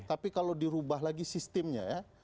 tapi kalau dirubah lagi sistemnya ya